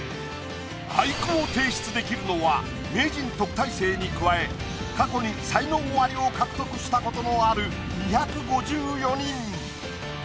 俳句を提出できるのは名人・特待生に加え過去に才能アリを獲得したことのある２５４人。